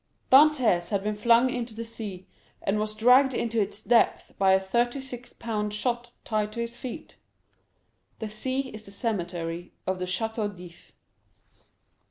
Dantès had been flung into the sea, and was dragged into its depths by a thirty six pound shot tied to his feet. The sea is the cemetery of the Château d'If.